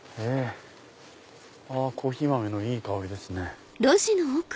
コーヒー豆のいい香りですね。